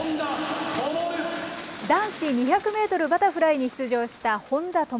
男子２００メートルバタフライに出場した本多灯。